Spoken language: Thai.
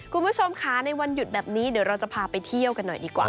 คุณผู้ชมค่ะในวันหยุดแบบนี้เดี๋ยวเราจะพาไปเที่ยวกันหน่อยดีกว่า